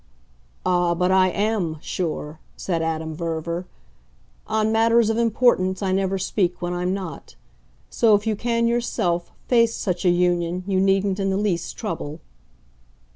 "Ah, but I AM sure," said Adam Verver. "On matters of importance I never speak when I'm not. So if you can yourself FACE such a union you needn't in the least trouble."